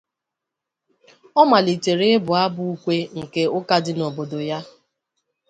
Ọ malitere ịbụ abụ ukwe nke ụka dị n’obodo ya.